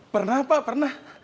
pernah pak pernah